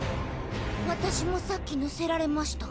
私もさっき乗せられました。